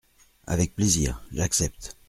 avec plaisir ! j’accepte !